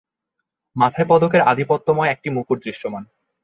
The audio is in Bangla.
মাথায় পদকের আধিপত্যময় একটি মুকুট দৃশ্যমান।